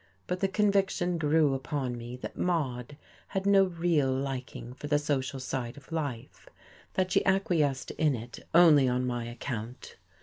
But the conviction grew upon me that Maude had no real liking for the social side of life, that she acquiesced in it only on my account.